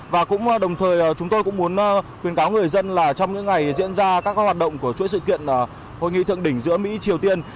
và cũng đồng thời chúng tôi cũng muốn khuyến cáo người dân là trong những ngày diễn ra các hoạt động của chuỗi sự kiện hội nghị thượng đỉnh giữa mỹ triều tiên